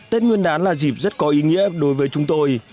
tết nguyên đán là dịp rất có ý nghĩa đối với chúng tôi